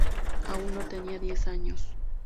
Aún no tenía diez años.